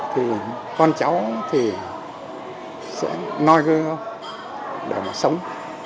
thì con cháu thì sẽ noi gương để mà sống